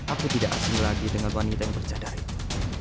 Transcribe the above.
aku tidak asing lagi dengan wanita yang bercada itu